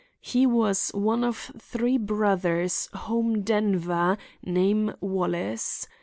He was one of three brothers, home Denver, name Wallace.